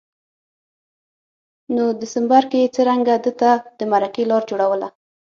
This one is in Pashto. نو دسمبر کي یې څرنګه ده ته د مرکې لار جوړوله